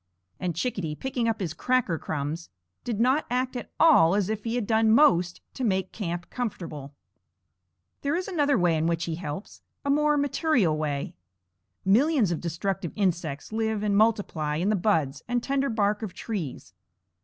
And Chickadee, picking up his cracker crumbs, did not act at all as if he had done most to make camp comfortable. There is another way in which he helps, a more material way. Millions of destructive insects live and multiply in the buds and tender bark of trees.